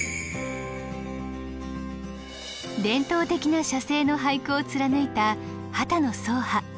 伝統的な「写生」の俳句を貫いた波多野爽波。